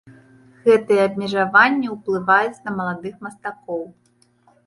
Гэтыя абмежаванні ўплываюць на маладых мастакоў.